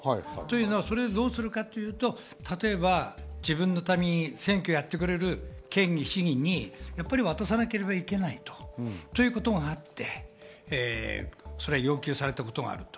それをどうするかっていうと、例えば、自分のために選挙をやってくれる県議、市議にやっぱり渡さなければいけないということがあって、それは要求されたことがある。